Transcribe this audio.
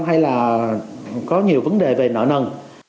hay là có nhiều vấn đề về nợ nần